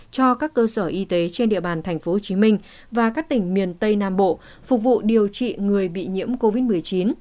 cho các cơ sở y tế trên địa bàn tp hcm và các tỉnh miền tây nam bộ phục vụ điều trị người bị nhiễm covid một mươi chín